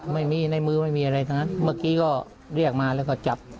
ไม่มีในมือไม่มีอะไรทั้งนั้นเมื่อกี้ก็เรียกมาแล้วก็จับ